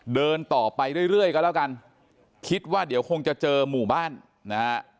เดินต่อไปเรื่อยก็แล้วกันคิดว่าเดี๋ยวคงจะเจอหมู่บ้านนะฮะ